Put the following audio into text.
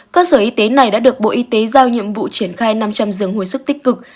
cơ sở y tế này đã được bộ y tế giao nhiệm vụ triển khai năm trăm linh giường hồi sức tích cực